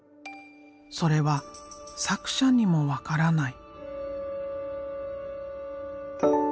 それは作者にも分からない。